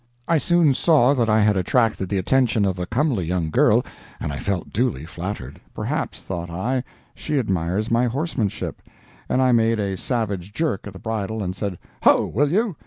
I soon saw that I had attracted the attention of a comely young girl and I felt duly flattered. Perhaps thought I, she admires my horsemanship—and I made a savage jerk at the bridle and said, "Ho! will you!"